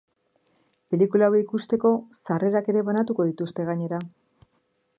Pelikula hau ikusteko sarrerak ere banatuko dituzte gainera.